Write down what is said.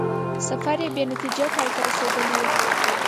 سفر یې بې نتیجې پای ته رسېدلی وو.